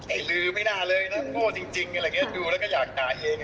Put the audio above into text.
ไอลือไม่น่าเลยนะโน่ที่จริงแล้วกดูแล้วก็อยากกลายเอง